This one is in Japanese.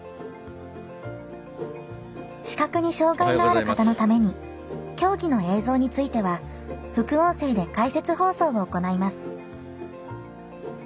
視覚に障がいのある方のために競技の映像については、副音声で解説放送を行います。